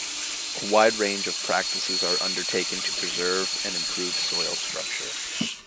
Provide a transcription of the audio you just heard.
A wide range of practices are undertaken to preserve and improve soil structure.